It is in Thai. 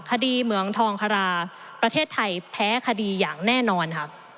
เหมืองทองคาราประเทศไทยแพ้คดีอย่างแน่นอนค่ะ